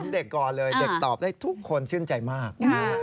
เด็กก่อนเลยเด็กตอบได้ทุกคนชื่นใจมาก